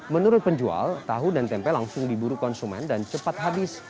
menurut penjual tahu dan tempe langsung diburu konsumen dan cepat habis